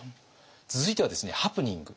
続いてはですねハプニング。